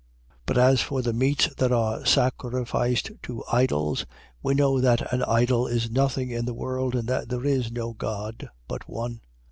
8:4. But as for the meats that are sacrificed to idols, we know that an idol is nothing in the world and that there is no God but one.